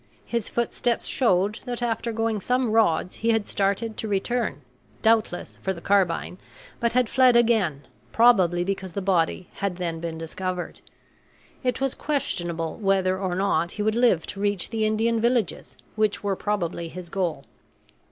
His footsteps showed that after going some rods he had started to return, doubtless for the carbine, but had fled again, probably because the body had then been discovered. It was questionable whether or not he would live to reach the Indian villages, which were probably his goal.